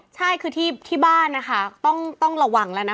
ใช่คือที่บ้านนะคะต้องระวังแล้วนะ